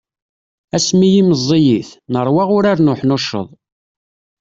Asmi i meẓẓiyit, nerwa urar n uḥnucceḍ.